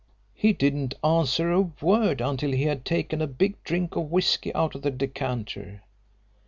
"He didn't answer a word until he had taken a big drink of whisky out of the decanter.